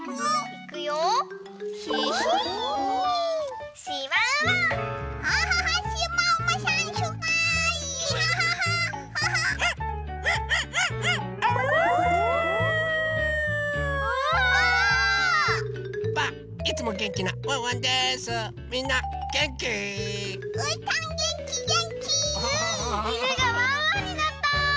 いぬがワンワンになった！